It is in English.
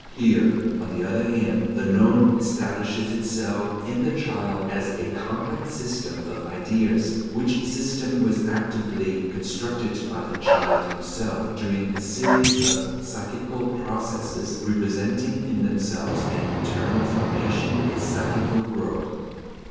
Here, on the other hand, the known establishes itself in the child as a complex system of ideas, which system was actively constructed by the child himself during a series of psychical processes, representing in themselves an internal formation, a psychical growth.